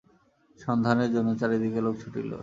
সন্ধানের জন্য চারি দিকে লোক ছুটিল।